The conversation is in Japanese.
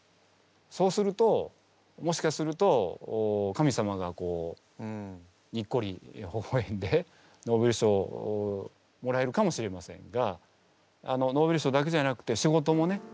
そうするともしかすると神様がにっこりほほえんでノーベル賞をもらえるかもしれませんがノーベル賞だけじゃなくて仕事もね